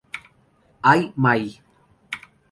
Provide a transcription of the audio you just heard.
Ai Mai!